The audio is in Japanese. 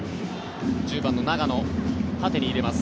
１０番の長野縦に入れます。